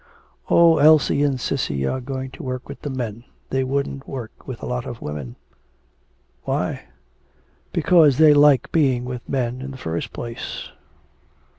'Oh, Elsie and Cissy are going to work with the men. They wouldn't work with a lot of women.' 'Why?' 'Because they like being with men in the first place.'